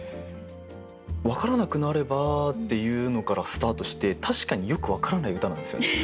「わからなくなれば」っていうのからスタートして確かによく「わからない」歌なんですよね。